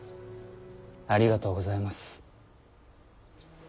ありがとうございます。